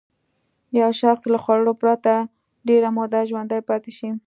یو شخص له خوړو پرته ډېره موده ژوندی پاتې شي.